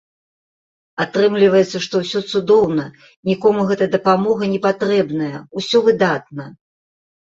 Атрымліваецца, што ўсё цудоўна, нікому гэтая дапамога не патрэбная, усё выдатна!